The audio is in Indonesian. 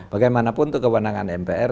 bagaimanapun kewenangan mpr